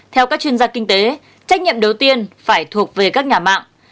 theo các chuyên gia kinh tế trách nhiệm đầu tiên phải thuộc về các nhà mạng